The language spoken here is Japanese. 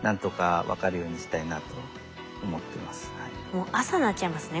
もう朝になっちゃいますね